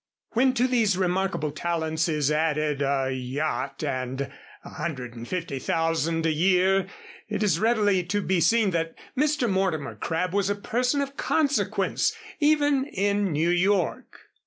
When to these remarkable talents is added a yacht and a hundred and fifty thousand a year, it is readily to be seen that Mr. Mortimer Crabb was a person of consequence, even in New York.